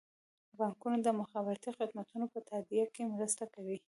بانکونه د مخابراتي خدمتونو په تادیه کې مرسته کوي.